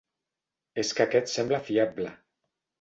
És que aquest sembla fiable.